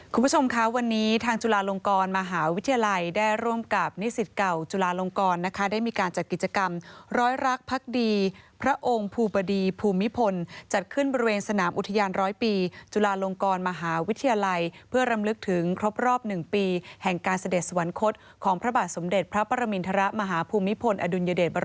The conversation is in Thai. คุณผู้ชมคะวันนี้ทางจุฬาลงกรมหาวิทยาลัยได้ร่วมกับนิสิตเก่าจุลาลงกรนะคะได้มีการจัดกิจกรรมร้อยรักพักดีพระองค์ภูบดีภูมิพลจัดขึ้นบริเวณสนามอุทยานร้อยปีจุลาลงกรมหาวิทยาลัยเพื่อรำลึกถึงครบรอบ๑ปีแห่งการเสด็จสวรรคตของพระบาทสมเด็จพระปรมินทรมาฮภูมิพลอดุลยเดชบ